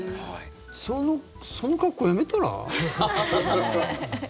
その格好やめたら？